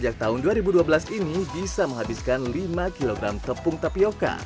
cireng yang sudah ada sejak tahun dua ribu dua belas ini bisa menghabiskan lima kg tepung tapioca